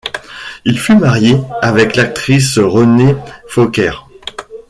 Il fut marié avec l'actrice Renée Fokker.